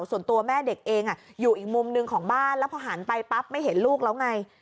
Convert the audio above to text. ส่วนตัวแม่เด็กเองอยู่อีกมุมหนึ่งของบ้านแล้วพอหันไปปั๊บไม่เห็นลูกแล้วไง